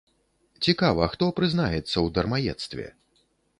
Цікава, хто прызнаецца ў дармаедстве?